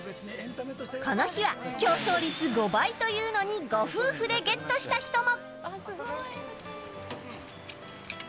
この日は競争率５倍というのにご夫婦でゲットした人も。